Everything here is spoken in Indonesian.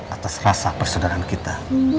atas rasa persaudaraan kita